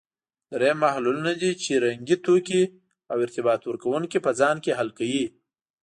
دریم محللونه دي چې رنګي توکي او ارتباط ورکوونکي په ځان کې حل کوي.